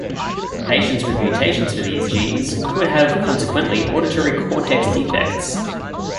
Patients with mutations for these genes could have consequently auditory cortex defects.